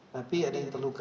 tapi ada yang terluka